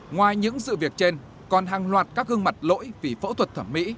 ngoài những sự việc trên còn hàng loạt các gương mặt lỗi vì phẫu thuật thẩm mỹ